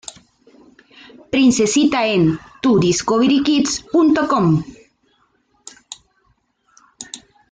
Princesita en tuDiscoveryKids.com